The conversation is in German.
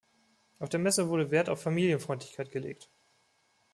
Auf der Messe wurde Wert auf Familienfreundlichkeit gelegt.